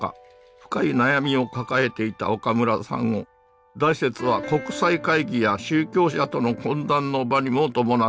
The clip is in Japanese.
深い悩みを抱えていた岡村さんを大拙は国際会議や宗教者との懇談の場にも伴っています。